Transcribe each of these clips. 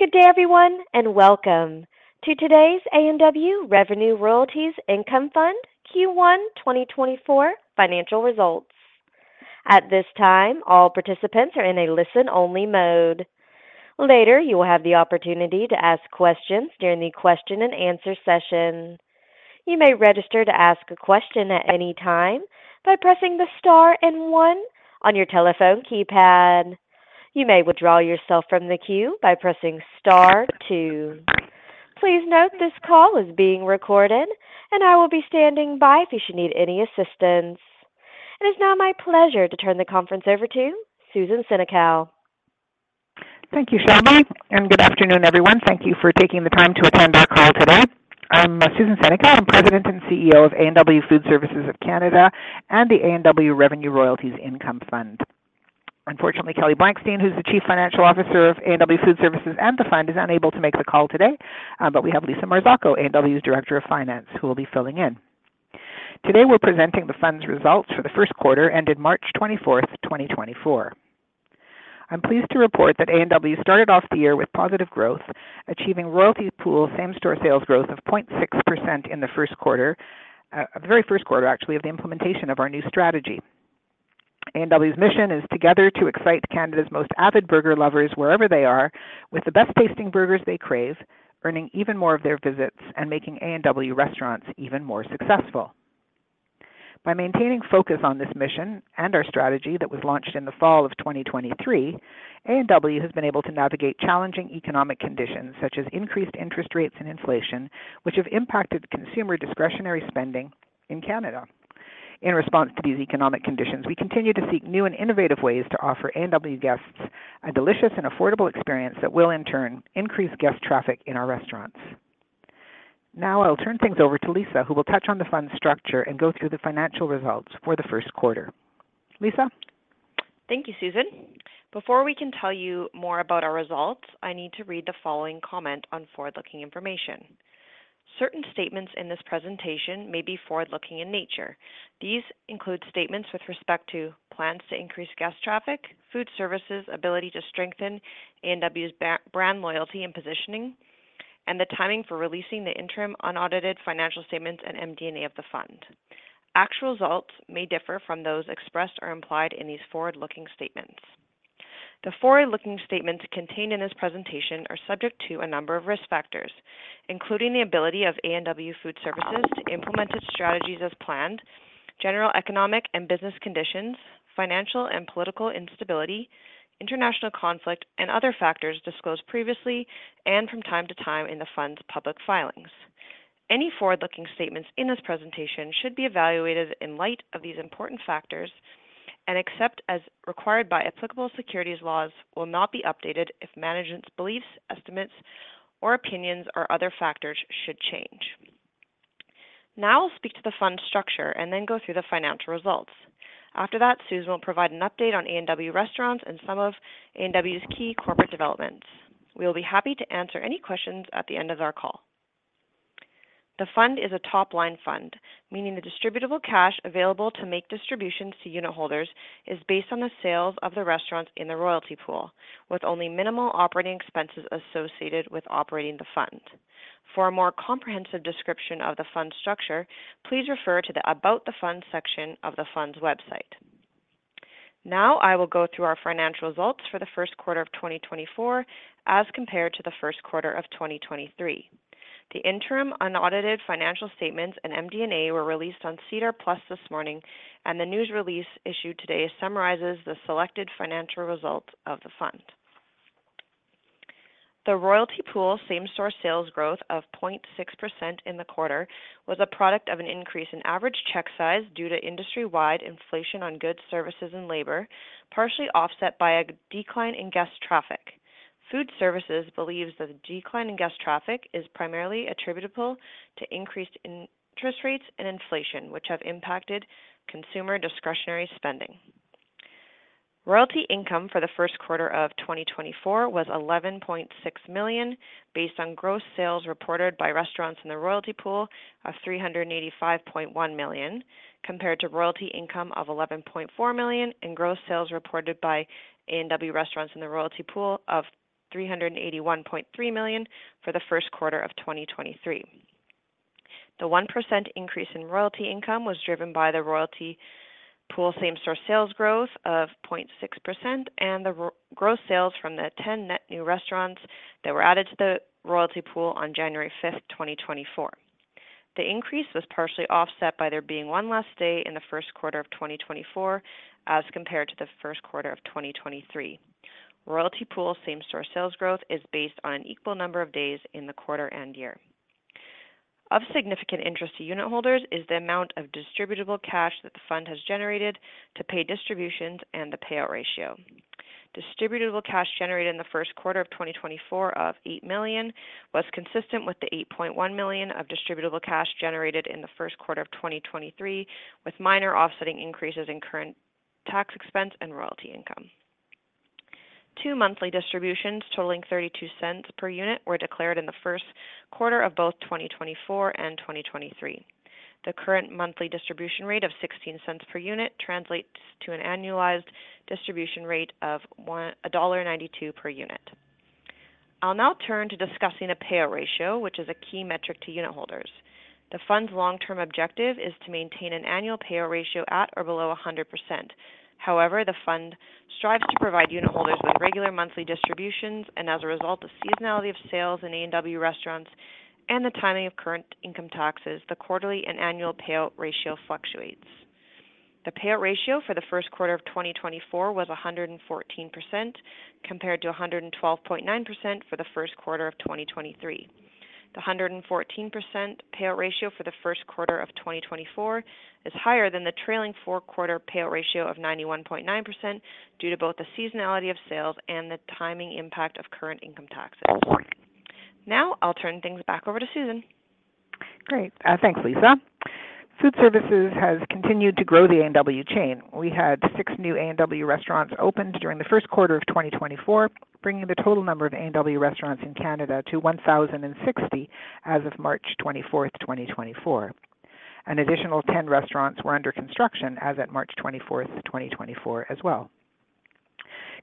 Good day, everyone, and welcome to today's A&W Revenue Royalties Income Fund Q1 2024 financial results. At this time, all participants are in a listen-only mode. Later, you will have the opportunity to ask questions during the question-and-answer session. You may register to ask a question at any time by pressing the star and one on your telephone keypad. You may withdraw yourself from the queue by pressing star two. Please note this call is being recorded, and I will be standing by if you should need any assistance. It is now my pleasure to turn the conference over to Susan Senecal. Thank you, Shelby, and good afternoon, everyone. Thank you for taking the time to attend our call today. I'm Susan Senecal. I'm President and CEO of A&W Food Services of Canada and the A&W Revenue Royalties Income Fund. Unfortunately, Kelly Blankstein, who's the Chief Financial Officer of A&W Food Services and the fund, is unable to make the call today, but we have Lisa Marzocco, A&W's Director of Finance, who will be filling in. Today, we're presenting the fund's results for the first quarter ended March 24th, 2024. I'm pleased to report that A&W started off the year with positive growth, achieving royalty pool same-store sales growth of 0.6% in the first quarter the very first quarter, actually, of the implementation of our new strategy. A&W's mission is together to excite Canada's most avid burger lovers wherever they are with the best-tasting burgers they crave, earning even more of their visits, and making A&W restaurants even more successful. By maintaining focus on this mission and our strategy that was launched in the fall of 2023, A&W has been able to navigate challenging economic conditions such as increased interest rates and inflation, which have impacted consumer discretionary spending in Canada. In response to these economic conditions, we continue to seek new and innovative ways to offer A&W guests a delicious and affordable experience that will, in turn, increase guest traffic in our restaurants. Now I'll turn things over to Lisa, who will touch on the fund's structure and go through the financial results for the first quarter. Lisa? Thank you, Susan. Before we can tell you more about our results, I need to read the following comment on forward-looking information. "Certain statements in this presentation may be forward-looking in nature. These include statements with respect to plans to increase guest traffic, Food Services' ability to strengthen A&W's brand loyalty and positioning, and the timing for releasing the interim unaudited financial statements and MD&A of the fund. Actual results may differ from those expressed or implied in these forward-looking statements." The forward-looking statements contained in this presentation are subject to a number of risk factors, including the ability of A&W Food Services to implement its strategies as planned, general economic and business conditions, financial and political instability, international conflict, and other factors disclosed previously and from time to time in the fund's public filings. Any forward-looking statements in this presentation should be evaluated in light of these important factors and, except as required by applicable securities laws, will not be updated if management's beliefs, estimates, or opinions or other factors should change. Now I'll speak to the fund's structure and then go through the financial results. After that, Susan will provide an update on A&W restaurants and some of A&W's key corporate developments. We will be happy to answer any questions at the end of our call. The fund is a top-line fund, meaning the distributable cash available to make distributions to unit holders is based on the sales of the restaurants in the royalty pool, with only minimal operating expenses associated with operating the fund. For a more comprehensive description of the fund's structure, please refer to the About the Fund section of the fund's website. Now I will go through our financial results for the first quarter of 2024 as compared to the first quarter of 2023. The interim unaudited financial statements and MD&A were released on SEDAR+ this morning, and the news release issued today summarizes the selected financial results of the fund. The Royalty Pool same-store sales growth of 0.6% in the quarter was a product of an increase in average check size due to industry-wide inflation on goods, services, and labor, partially offset by a decline in guest traffic. Food Services believes that the decline in guest traffic is primarily attributable to increased interest rates and inflation, which have impacted consumer discretionary spending. Royalty income for the first quarter of 2024 was 11.6 million based on gross sales reported by restaurants in the royalty pool of 385.1 million, compared to royalty income of 11.4 million and gross sales reported by A&W restaurants in the royalty pool of 381.3 million for the first quarter of 2023. The 1% increase in royalty income was driven by the royalty pool same-store sales growth of 0.6% and the gross sales from the 10 net new restaurants that were added to the royalty pool on January 5th, 2024. The increase was partially offset by there being one less day in the first quarter of 2024 as compared to the first quarter of 2023. Royalty pool same-store sales growth is based on an equal number of days in the quarter and year. Of significant interest to unit holders is the amount of distributable cash that the fund has generated to pay distributions and the payout ratio. Distributable cash generated in the first quarter of 2024 of 8 million was consistent with the 8.1 million of distributable cash generated in the first quarter of 2023, with minor offsetting increases in current tax expense and royalty income. Two monthly distributions totaling 0.32 per unit were declared in the first quarter of both 2024 and 2023. The current monthly distribution rate of 0.16 per unit translates to an annualized distribution rate of dollar 1.92 per unit. I'll now turn to discussing a payout ratio, which is a key metric to unit holders. The fund's long-term objective is to maintain an annual payout ratio at or below 100%. However, the fund strives to provide unit holders with regular monthly distributions, and as a result of seasonality of sales in A&W restaurants and the timing of current income taxes, the quarterly and annual payout ratio fluctuates. The payout ratio for the first quarter of 2024 was 114% compared to 112.9% for the first quarter of 2023. The 114% payout ratio for the first quarter of 2024 is higher than the trailing four-quarter payout ratio of 91.9% due to both the seasonality of sales and the timing impact of current income taxes. Now I'll turn things back over to Susan. Great. Thanks, Lisa. Food Services has continued to grow the A&W chain. We had 6 new A&W restaurants opened during the first quarter of 2024, bringing the total number of A&W restaurants in Canada to 1,060 as of March 24th, 2024. An additional 10 restaurants were under construction as at March 24th, 2024 as well.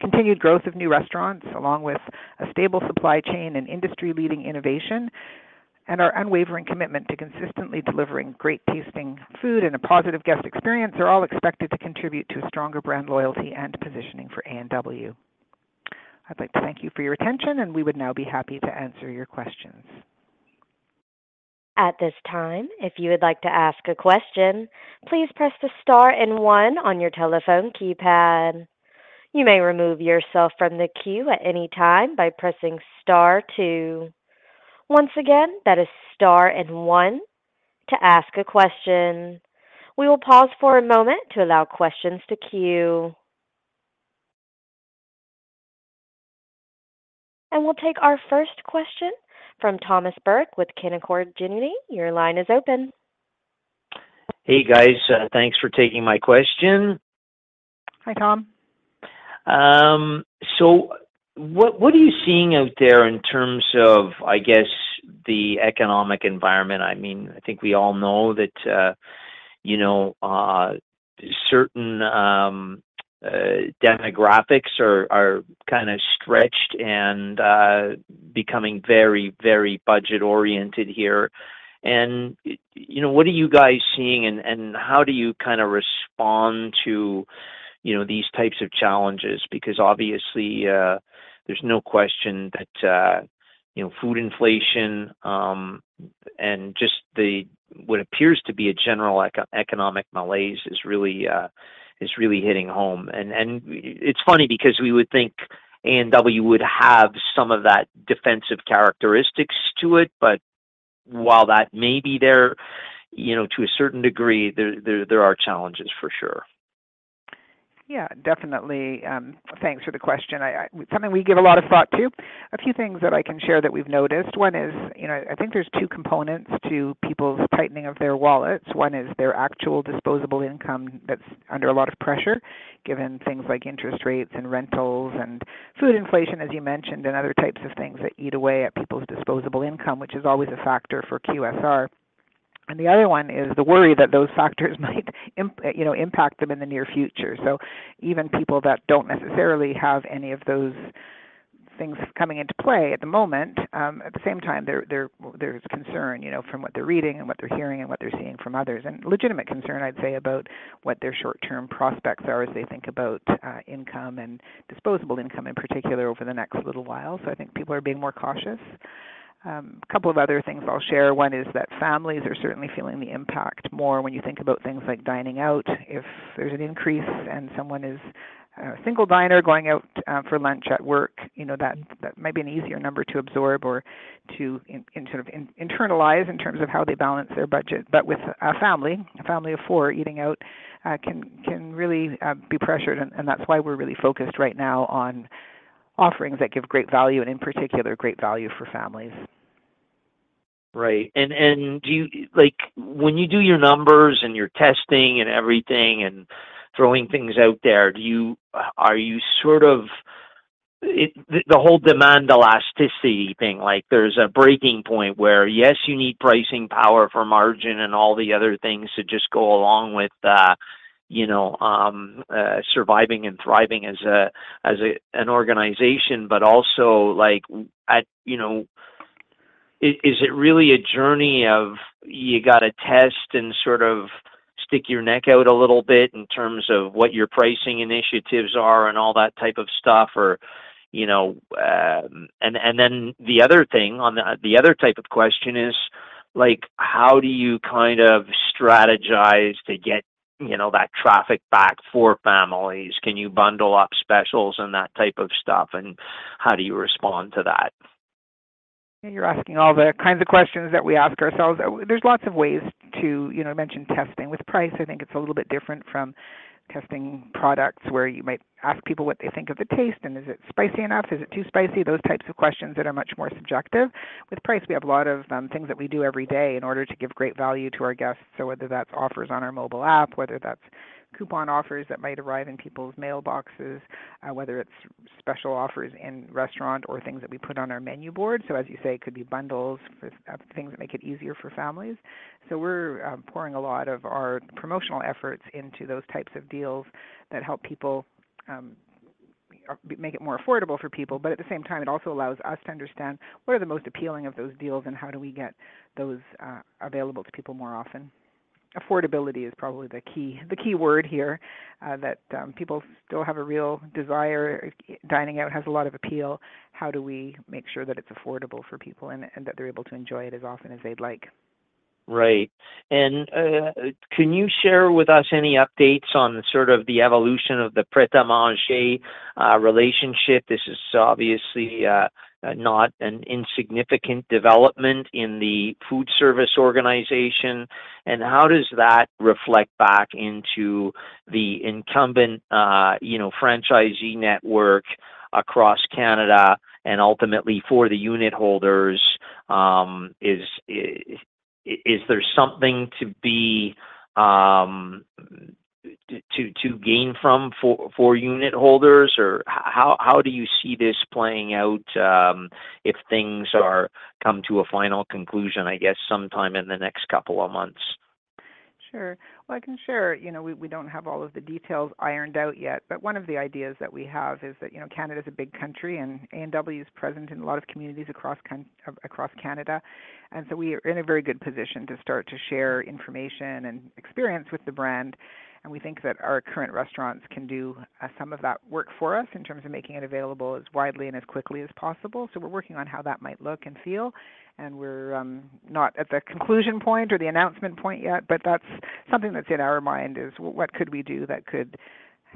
Continued growth of new restaurants, along with a stable supply chain and industry-leading innovation, and our unwavering commitment to consistently delivering great-tasting food and a positive guest experience are all expected to contribute to a stronger brand loyalty and positioning for A&W. I'd like to thank you for your attention, and we would now be happy to answer your questions. At this time, if you would like to ask a question, please press the star and one on your telephone keypad. You may remove yourself from the queue at any time by pressing star two. Once again, that is star and one to ask a question. We will pause for a moment to allow questions to queue. We'll take our first question from Thomas Burke with Canaccord Genuity. Your line is open. Hey, guys. Thanks for taking my question. Hi, Tom. What are you seeing out there in terms of the economic environment? I mean, I think we all know that, you know, certain demographics are kinda stretched and becoming very, very budget-oriented here. You know, what are you guys seeing, and how do you kinda respond to, you know, these types of challenges? Obviously, there's no question that, you know, food inflation, and just what appears to be a general economic malaise is really hitting home. It's funny because we would think A&W would have some of that defensive characteristics to it, but while that may be there, you know, to a certain degree, there are challenges for sure? Yeah, definitely. Thanks for the question. Something we give a lot of thought to. A few things that I can share that we've noticed. One is, you know, I think there's two components to people's tightening of their wallets. One is their actual disposable income that's under a lot of pressure, given things like interest rates and rentals and food inflation, as you mentioned, and other types of things that eat away at people's disposable income, which is always a factor for QSR. The other one is the worry that those factors might impact, you know, impact them in the near future. Even people that don't necessarily have any of those things coming into play at the moment, at the same time, there's concern, you know, from what they're reading and what they're hearing and what they're seeing from others, and legitimate concern, I'd say, about what their short-term prospects are as they think about income and disposable income in particular over the next little while. I think people are being more cautious. A couple of other things I'll share. One is that families are certainly feeling the impact more when you think about things like dining out. If there's an increase and someone is a single diner going out for lunch at work, you know, that might be an easier number to absorb or to sort of internalize in terms of how they balance their budget. With a family, a family of four eating out, can really be pressured, and that's why we're really focused right now on offerings that give great value and, in particular, great value for families. Right. Do you, like, when you do your numbers and your testing and everything and throwing things out there, do you, are you sort of, the whole demand elasticity thing, like, there's a breaking point where, yes, you need pricing power for margin and all the other things to just go along with, you know, surviving and thriving as an organization. Also, like, you know, is it really a journey of you gotta test and sort of stick your neck out a little bit in terms of what your pricing initiatives are and all that type of stuff, or, you know, and then the other thing on the other type of question is. Like how do you kind of strategize to get, you know, that traffic back for families? Can you bundle up specials and that type of stuff? How do you respond to that? Yeah, you're asking all the kinds of questions that we ask ourselves. There's lots of ways to, you know, you mentioned testing. With price, I think it's a little bit different from testing products where you might ask people what they think of the taste, and is it spicy enough? Is it too spicy? Those types of questions that are much more subjective. With price, we have a lot of, things that we do every day in order to give great value to our guests. Whether that's offers on our mobile app, whether that's coupon offers that might arrive in people's mailboxes, whether it's special offers in restaurant or things that we put on our menu board. As you say, it could be bundles for things that make it easier for families. We're pouring a lot of our promotional efforts into those types of deals that help people make it more affordable for people. At the same time, it also allows us to understand what are the most appealing of those deals, and how do we get those available to people more often? Affordability is probably the key word here that people still have a real desire. Dining out has a lot of appeal. How do we make sure that it's affordable for people and that they're able to enjoy it as often as they'd like? Right. Can you share with us any updates on sort of the evolution of the Pret A Manger relationship? This is obviously not an insignificant development in the food service organization. How does that reflect back into the incumbent, you know, franchisee network across Canada and ultimately for the unit holders? Is there something to be gained for unit holders, or how do you see this playing out, if things come to a final conclusion, I guess, sometime in the next couple of months? Sure. Well, I can share. You know, we don't have all of the details ironed out yet, but one of the ideas that we have is that, you know, Canada's a big country, and A&W is present in a lot of communities across across Canada. We are in a very good position to start to share information and experience with the brand. We think that our current restaurants can do some of that work for us in terms of making it available as widely and as quickly as possible. We're working on how that might look and feel. We're not at the conclusion point or the announcement point yet, but that's something that's in our mind, is what, what could we do that could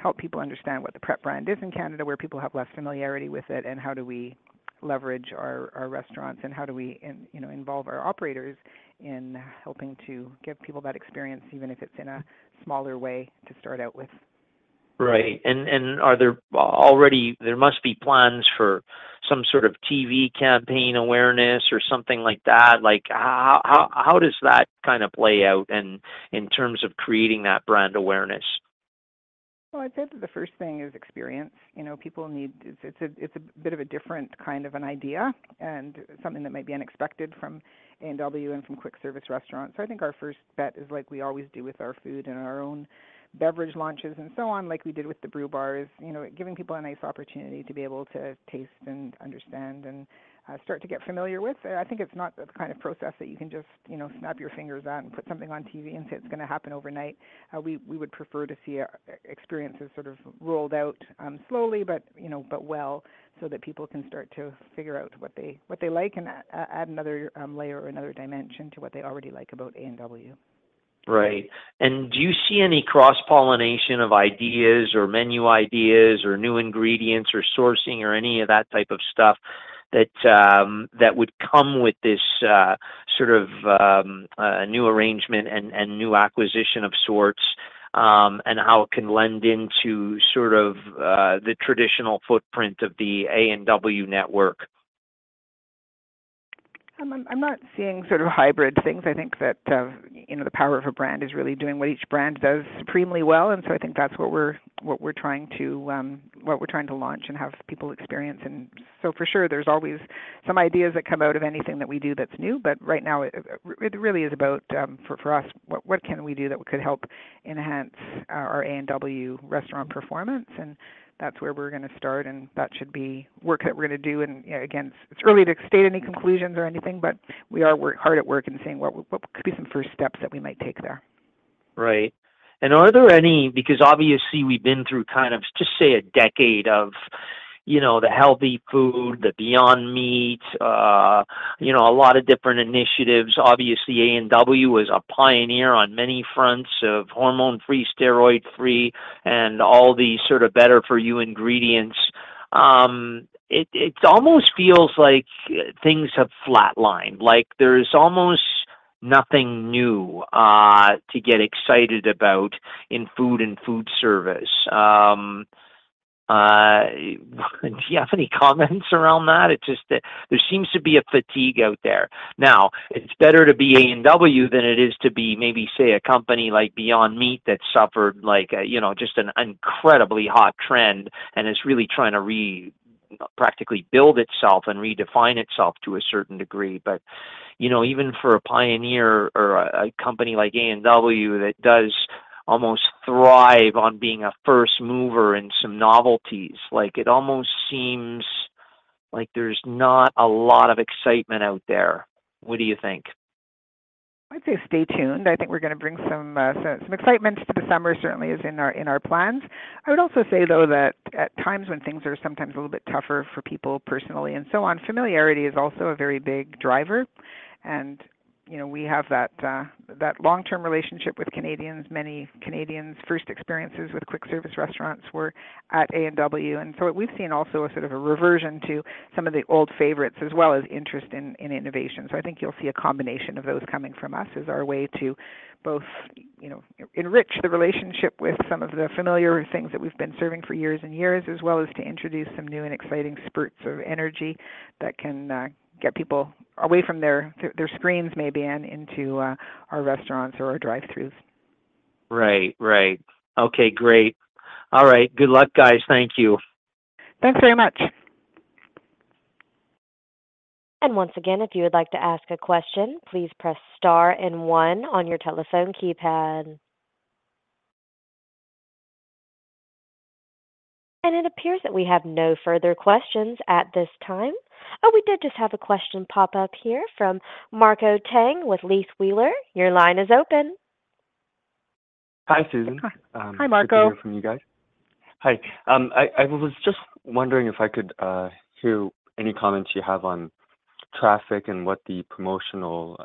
help people understand what the Pret brand is in Canada. Where people have less familiarity with it, and how do we leverage our, our restaurants, and how do we in, you know, involve our operators in helping to give people that experience, even if it's in a smaller way, to start out with. Right. Are there already there must be plans for some sort of TV campaign awareness or something like that. Like, how does that kinda play out in terms of creating that brand awareness? Well, I'd say that the first thing is experience. You know, people need; it's a bit of a different kind of an idea and something that might be unexpected from A&W and from quick service restaurants. I think our first bet is, like we always do with our food and our own beverage launches and so on, like we did with the Brew bars, you know, giving people a nice opportunity to be able to taste and understand and start to get familiar with. I think it's not the kind of process that you can just, you know, snap your fingers at and put something on TV and say it's gonna happen overnight. We would prefer to see experiences sort of rolled out slowly but, you know, but well so that people can start to figure out what they like and add another layer or another dimension to what they already like about A&W. Right. Do you see any cross-pollination of ideas or menu ideas or new ingredients or sourcing or any of that type of stuff that, that would come with this, sort of, new arrangement and, and new acquisition of sorts, and how it can lend into sort of, the traditional footprint of the A&W network? I'm not seeing sort of hybrid things. I think that, you know, the power of a brand is really doing what each brand does supremely well. I think that's what we're trying to launch and have people experience. For sure, there's always some ideas that come out of anything that we do that's new. Right now, it really is about, for us, what can we do that could help enhance our A&W restaurant performance? That's where we're gonna start, and that should be work that we're gonna do. You know, again, it's early to state any conclusions or anything, but we are hard at work in seeing what could be some first steps that we might take there. Right. Are there any because obviously, we've been through kind of, just say, a decade of, you know, the healthy food, the Beyond Meat, you know, a lot of different initiatives. Obviously, A&W is a pioneer on many fronts of hormone-free, steroid-free, and all these sort of better-for-you ingredients. It almost feels like things have flatlined. Like, there's almost nothing new to get excited about in food and food service. Do you have any comments around that? It's just that there seems to be a fatigue out there. Now, it's better to be A&W than it is to be maybe, say, a company like Beyond Meat that suffered, like, you know, just an incredibly hot trend and is really trying to re-practically build itself and redefine itself to a certain degree. You know, even for a pioneer or a company like A&W that does almost thrive on being a first mover in some novelties, like, it almost seems like there's not a lot of excitement out there. What do you think? I'd say stay tuned. I think we're gonna bring some excitement to the summer, certainly, as in our plans. I would also say, though, that at times when things are sometimes a little bit tougher for people personally and so on, familiarity is also a very big driver. You know, we have that long-term relationship with Canadians. Many Canadians' first experiences with quick service restaurants were at A&W. And so we've seen also a sort of a reversion to some of the old favorites as well as interest in innovation. I think you'll see a combination of those coming from us as our way to both, you know, enrich the relationship with some of the familiar things that we've been serving for years and years as well as to introduce some new and exciting spurts of energy that can get people away from their screens maybe and into our restaurants or our drive-throughs. Right, right. Okay, great. All right. Good luck, guys. Thank you. Thanks very much. Once again, if you would like to ask a question, please press star and one on your telephone keypad. It appears that we have no further questions at this time. Oh, we did just have a question pop up here from Marco Tang with Leith Wheeler. Your line is open. Hi, Susan. Hi. Good to hear from you guys. Hi. I was just wondering if I could hear any comments you have on traffic and what the promotional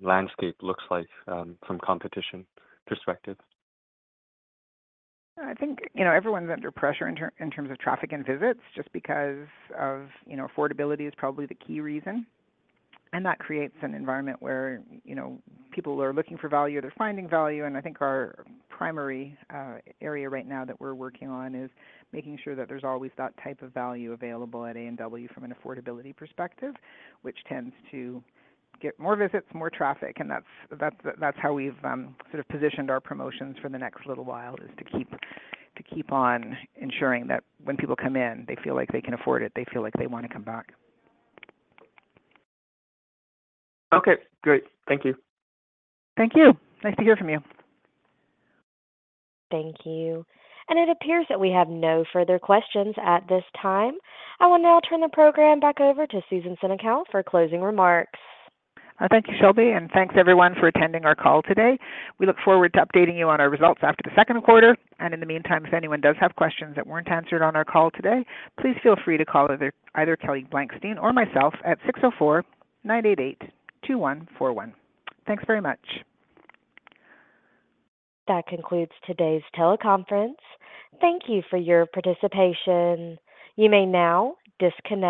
landscape looks like from a competition perspective. I think, you know, everyone's under pressure in terms of traffic and visits just because of, you know, affordability is probably the key reason. That creates an environment where, you know, people are looking for value. They're finding value. I think our primary area right now that we're working on is making sure that there's always that type of value available at A&W from an affordability perspective, which tends to get more visits, more traffic. That's how we've sort of positioned our promotions for the next little while, is to keep on ensuring that when people come in, they feel like they can afford it. They feel like they wanna come back. Okay. Great. Thank you. Thank you. Nice to hear from you. Thank you. It appears that we have no further questions at this time. I will now turn the program back over to Susan Senecal for closing remarks. Thank you, Shelby. Thanks, everyone, for attending our call today. We look forward to updating you on our results after the second quarter. In the meantime, if anyone does have questions that weren't answered on our call today, please feel free to call either Kelly Blankstein or myself at 604-988-2141. Thanks very much. That concludes today's teleconference. Thank you for your participation. You may now disconnect.